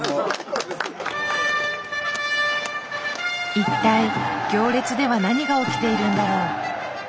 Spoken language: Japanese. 一体行列では何が起きているんだろう。